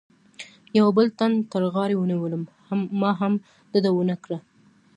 یوه بل تن تر غاړې ونیولم، ما هم ډډه و نه کړه.